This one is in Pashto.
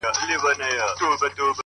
o سیاه پوسي ده، شپه لېونۍ ده،